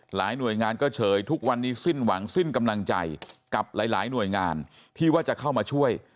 หน่วยงานก็เฉยทุกวันนี้สิ้นหวังสิ้นกำลังใจกับหลายหน่วยงานที่ว่าจะเข้ามาช่วย